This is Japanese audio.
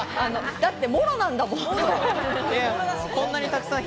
だってモロなんだもん。